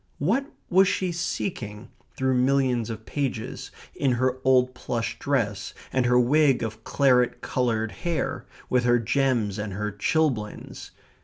What was she seeking through millions of pages, in her old plush dress, and her wig of claret coloured hair, with her gems and her chilblains?